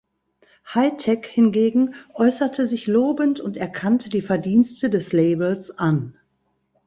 Hi-Tek hingegen äußerte sich lobend und erkannte die Verdienste des Labels an.